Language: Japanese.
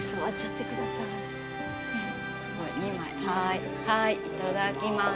はいはいいただきます。